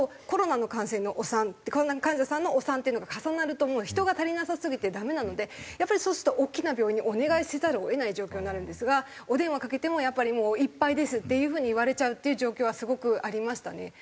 コロナ患者さんのお産っていうのが重なるともう人が足りなさすぎてダメなのでやっぱりそうすると大きな病院にお願いせざるを得ない状況になるんですがお電話かけてもやっぱりもう「いっぱいです」っていう風に言われちゃうっていう状況はすごくありましたね。